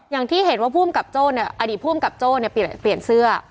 อย่างที่เห็นว่าภูมิกับโจ้เนี่ยอดีตภูมิกับโจ้เนี่ยเปลี่ยนเสื้อ